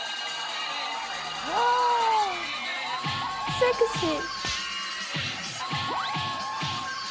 セクシー。